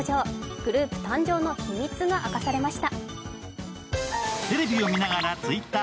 グループ誕生の秘密が明かされました。